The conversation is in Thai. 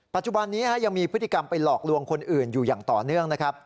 ปัจจุบันนี้ยังมีพฤติกรรมไปหลอกลวงคนอื่นอยู่อย่างต่อเนื่องนะครับ